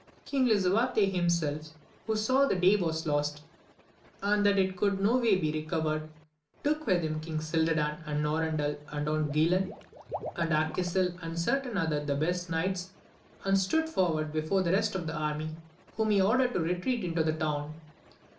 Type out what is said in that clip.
King lisuarte himself, VOL. m. 15 226 AMADIS OF GAUL who saw that the day was lost, and that it could no way be recovered, took with him Eong Cildarlan, and Norandel, and Don Guilan, and Arquisil, and certain other the best knights, and stood forward before the rest of the army, whom he ordered to retreat into the town.